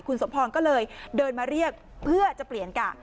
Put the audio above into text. คุณสมพรก็เลยเดินมาเรียกเพื่อจะเปลี่ยนกะ